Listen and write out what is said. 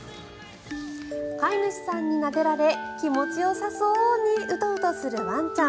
飼い主さんになでられ気持ちよさそうにうとうとするワンちゃん。